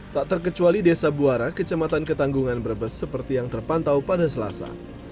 tak terkecuali desa buara kecamatan ketanggungan brebes seperti yang terpantau pada selasa